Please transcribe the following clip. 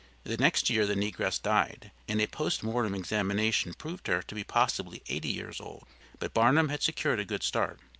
The next year the negress died, and a post mortem examination proved her to be possibly eighty years old, but Barnum had secured a good start.